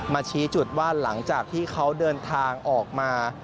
ชี้จุดว่าหลังจากที่เขาเดินทางออกมา